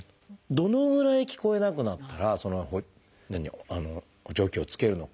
どのぐらい聞こえなくなったらその補聴器を着けるのかという。